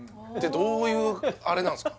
どういうあれなんですか？